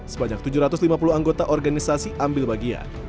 sebanyak tujuh ratus lima puluh anggota organisasi ambil bagian